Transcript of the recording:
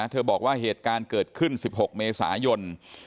เธอบอกว่าเหตุการณ์เกิดขึ้นสิบหกเมษายน